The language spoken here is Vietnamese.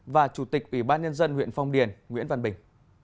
và chủ tịch ủy ban nhân dân huyện phong điền nguyễn văn bình